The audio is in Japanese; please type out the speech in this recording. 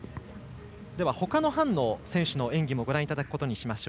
ほかの班の選手の演技もご覧いただきます。